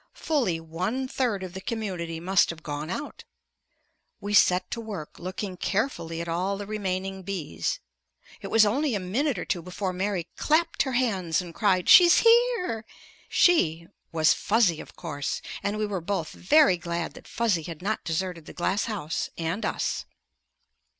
Fully one third of the community must have gone out. We set to work looking carefully at all the remaining bees. It was only a minute or two before Mary clapped her hands and cried, "She's here!" "She" was Fuzzy, of course. And we were both very glad that Fuzzy had not deserted the glass house and us.